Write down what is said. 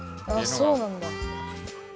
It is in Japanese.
あっそうなんだ。